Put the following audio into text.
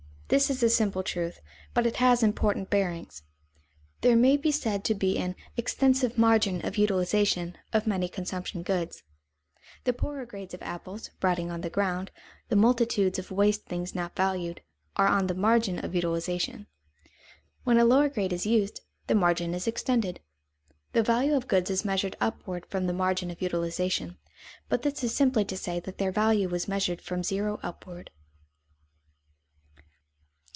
_ This is a simple truth, but it has important bearings. There may be said to be an "extensive margin of utilization" of many consumption goods. The poorer grades of apples, rotting on the ground, the multitudes of waste things not valued, are on the margin of utilization. When a lower grade is used, the margin is extended. The value of goods is measured upward from the margin of utilization, but this is simply to say that their value is measured from zero upward.